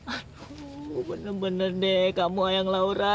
aduh bener bener deh kamu ayang laura